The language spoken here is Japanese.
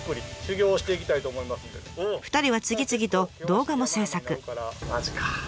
２人は次々と動画も制作。